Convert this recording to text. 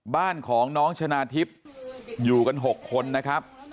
บ้านของน้องชนะทิพย์อยู่กัน๖คนนะครับ